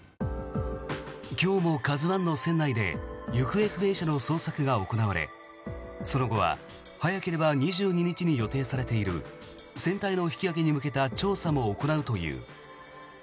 今日も「ＫＡＺＵ１」の船内で行方不明者の捜索が行われその後は早ければ２２日に予定されている船体の引き揚げに向けた調査も行うという。